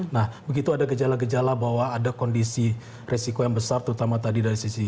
nah begitu ada gejala gejala bahwa ada kondisi resiko yang besar terutama tadi dari sisi